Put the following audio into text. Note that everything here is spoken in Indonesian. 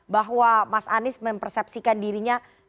bahwa mas anies mempersepsikan di bawah